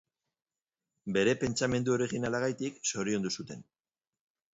Bere pentsamendu originalagatik zoriondu zuten.